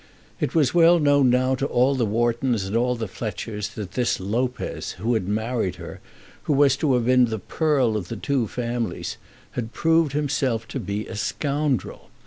It was well known now to all the Whartons and all the Fletchers that this Lopez, who had married her who was to have been the pearl of the two families, had proved himself to be a scoundrel.